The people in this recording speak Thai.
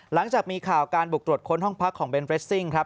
หลังจากมีข่าวการบุกตรวจค้นห้องพักของเบนเรสซิ่งครับ